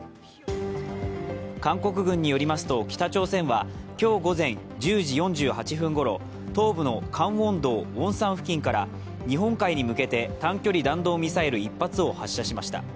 韓国軍によりますと、北朝鮮は今日午前１０時４８分ごろ、東部のカンウォンドウォンサン付近から日本海に向けて短距離弾道ミサイル１発を発射しました。